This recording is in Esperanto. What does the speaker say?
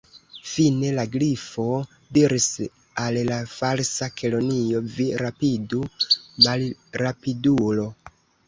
Fine, la Grifo diris al la Falsa Kelonio: "Vi rapidu, malrapidulo! «